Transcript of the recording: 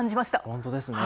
本当ですね。